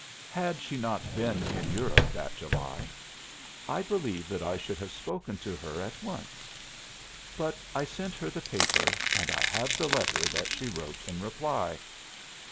Had she not been in Europe that July, I believe that I should have spoken to her at once. But I sent her the paper; and I have the letter that she wrote in reply."